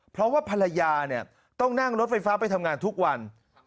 เพราะว่าภรรยาเนี่ยต้องนั่งรถไฟฟ้าไปทำงานทุกวัน